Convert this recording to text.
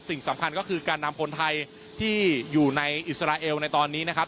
สิ่งสำคัญก็คือการนำคนไทยที่อยู่ในอิสราเอลในตอนนี้นะครับ